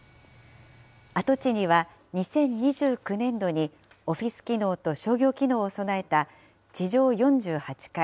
跡地には２０２９年度にオフィス機能と商業機能を備えた、地上４８階